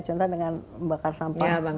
contohnya dengan membakar sampah di luar ruangan